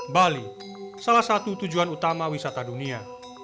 bali salah satu tujuan utama wisata dunia